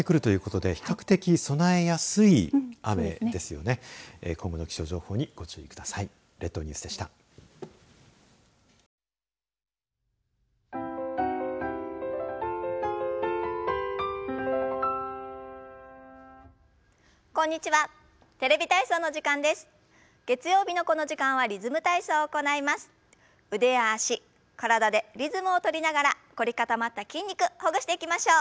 腕や脚体でリズムを取りながら凝り固まった筋肉ほぐしていきましょう。